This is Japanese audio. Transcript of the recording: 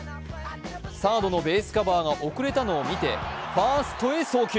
サードのベースカバーが遅れたのを見てファーストへ送球。